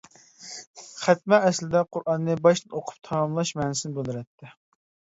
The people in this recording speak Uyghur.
خەتمە ئەسلىدە قۇرئاننى باشتىن ئوقۇپ تاماملاش مەنىسىنى بىلدۈرەتتى.